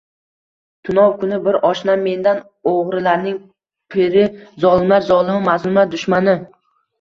Tunov kuni bir oshnam mendan: «O’g’rilarning piri, zolimlar zolimi, mazlumlar dushmani